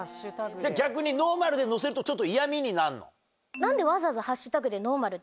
逆にノーマルで載せるとちょっと嫌みになるの？